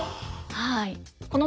はい。